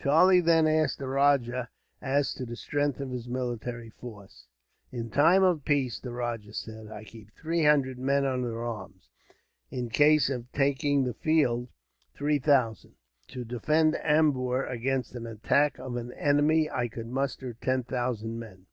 Charlie then asked the rajah as to the strength of his military force. "In time of peace," the rajah said, "I keep three hundred men under arms. In case of taking the field, three thousand. To defend Ambur against an attack of an enemy, I could muster ten thousand men."